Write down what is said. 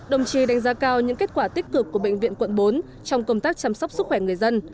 đồng chí đánh giá cao những kết quả tích cực của bệnh viện quận bốn trong công tác chăm sóc sức khỏe người dân